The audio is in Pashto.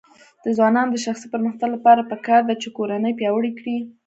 د ځوانانو د شخصي پرمختګ لپاره پکار ده چې کورنۍ پیاوړې کړي.